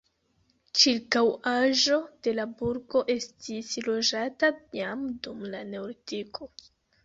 Ĉirkaŭaĵo de la burgo estis loĝata jam dum la neolitiko.